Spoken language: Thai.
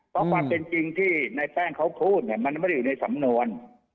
เพราะความเป็นจริงที่ในแป้งเขาพูดเนี่ยมันไม่ได้อยู่ในสำนวน